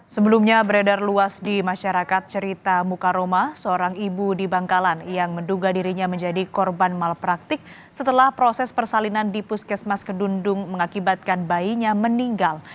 sebelumnya beredar luas di masyarakat cerita mukaroma seorang ibu di bangkalan yang menduga dirinya menjadi korban malpraktik setelah proses persalinan di puskesmas kedundung mengakibatkan bayinya meninggal